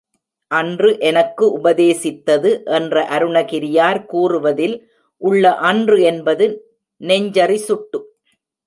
அன்று எனக்கு உபதேசித்தது என்ற அருணகியார் கூறுவதில் உள்ள அன்று என்பது நெஞ்சறி சுட்டு.